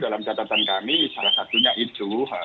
pembangunan kami salah satunya itu